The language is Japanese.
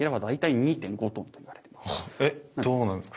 どうなんですか？